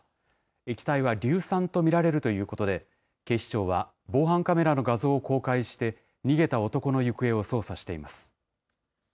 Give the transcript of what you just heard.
液体は硫酸と見られるということで、警視庁は防犯カメラの画像を公開して、逃げた男の行方を捜査しています。